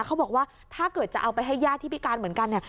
เขาบอกว่าถ้าเกิดจะเอาไปให้ญาติที่พิการเหมือนกันเนี่ย